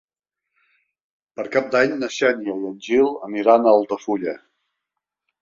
Per Cap d'Any na Xènia i en Gil aniran a Altafulla.